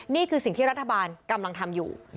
นี่คือสิ่งที่รัฐบาลกำลังทำอยู่